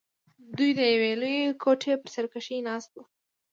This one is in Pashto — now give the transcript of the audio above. دوى د يوې لويې کوټې په بر سر کښې ناست وو.